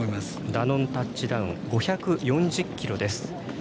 ダノンタッチダウン５４０ｋｇです。